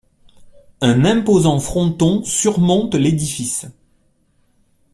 Un imposant fronton surmonte l’édifice.